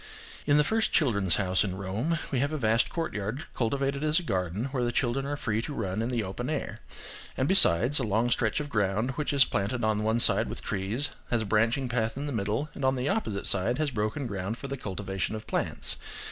In the first "Children's House" in Rome we have a vast courtyard, cultivated as a garden, where the children are free to run in the open air–and, besides, a long stretch of ground, which is planted on one side with trees, has a branching path in the middle, and on the opposite side, has broken ground for the cultivation of plants.